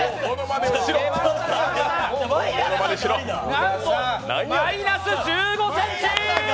なんと、マイナス１５ｃｍ！